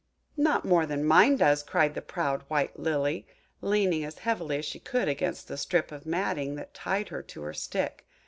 "Not more than mine does!" cried the proud white Lily, leaning as heavily as she could against the strip of matting that tied her to her stick.